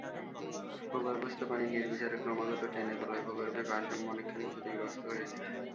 ভূগর্ভস্থ পানি নির্বিচারে ক্রমাগত টেনে তোলায় ভূগর্ভে ভারসাম্য অনেকখানি ক্ষতিগ্রস্ত হয়েছে।